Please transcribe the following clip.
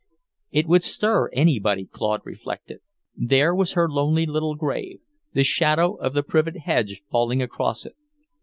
It would stir anybody, Claude reflected. There was her lonely little grave, the shadow of the privet hedge falling across it.